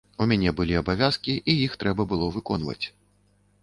У мяне былі абавязкі, і іх трэба было выконваць.